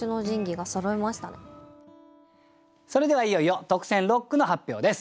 それではいよいよ特選六句の発表です。